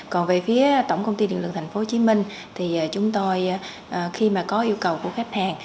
còn về phía tổng công ty điện lực tp hcm thì chúng tôi khi mà có yêu cầu của khách hàng